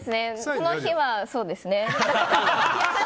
この日は、そうですね。